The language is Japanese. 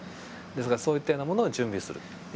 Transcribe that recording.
ですからそういったようなものを準備する。